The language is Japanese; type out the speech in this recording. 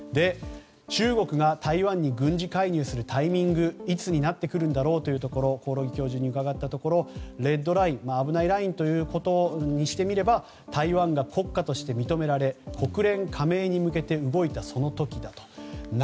中国が台湾に軍事介入をするタイミングがいつになってくるんだろうと興梠教授に伺ったところレッドライン、危ないラインということにしてみれば台湾が国家として認められ国連加盟に向けて動いたその時だと。